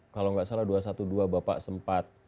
kalau nggak salah dua ratus dua belas bapak sempat